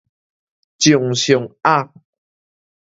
掌上壓